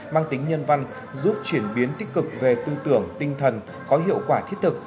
mang tính nhân văn giúp chuyển biến tích cực về tư tưởng tinh thần có hiệu quả thiết thực